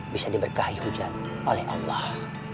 bisa diberkahi hujan oleh allah